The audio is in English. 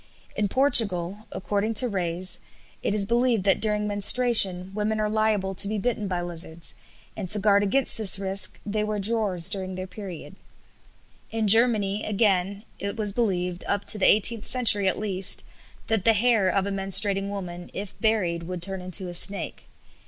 In Portugal, according to Reys, it is believed that during menstruation women are liable to be bitten by lizards, and to guard against this risk they wear drawers during the period. In Germany, again, it was believed, up to the eighteenth century at least, that the hair of a menstruating woman, if buried, would turn into a snake.